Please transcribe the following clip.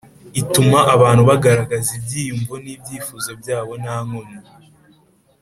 ituma abantu bagaragaza ibyiyumvo n’ibyifuzo byabo nta nkomyi